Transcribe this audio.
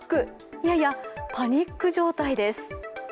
いやいやパニック状態です。